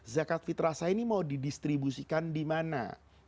zakat fitrah saya ini mau didistribusikan dimana